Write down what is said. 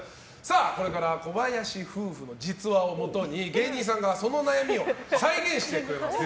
これから小林夫婦の実話をもとに芸人さんがその悩みを再現してくれます。